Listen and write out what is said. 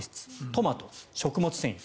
トマト、食物繊維。